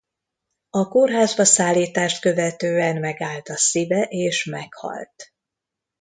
A kórházba szállítást követően megállt a szíve és meghalt.